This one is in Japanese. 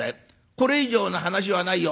これ以上の話はないよ。